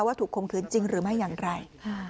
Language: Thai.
ถูกคมคืนจริงหรือไม่อย่างไร